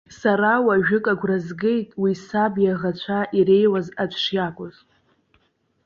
Сара уажәык агәра згеит, уи саб иаӷацәа иреиуаз аӡә шиакәыз.